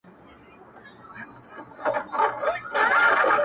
وران خو وراني كيسې نه كوي ـ